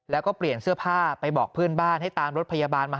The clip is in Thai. แล้วก็เปลี่ยนเสื้อผ้าไปบอกเพื่อนบ้านให้ตามรถพยาบาลมา